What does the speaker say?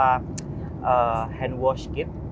dan kemudian tadi sebelum saya masuk saya juga diberikan beberapa